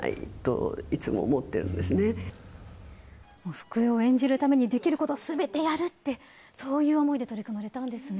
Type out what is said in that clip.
福江を演じるためにできることすべてやるって、そういう思いで取り組まれたんですね。